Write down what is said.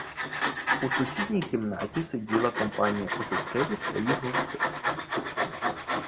У сусідній кімнаті сиділа компанія офіцерів та їх гостей.